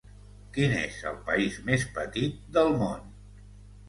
Quin és el país més petit del món?